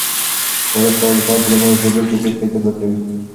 ورزش کول د سهار په لومړیو شېبو کې ډېر کیف ورکوي.